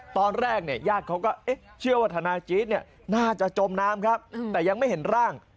ตอนแรกเนี่ยญาติเขาก็เชื่อว่าธนายจี๊ดเนี่ยน่าจะจมน้ำครับแต่ยังไม่เห็นร่าง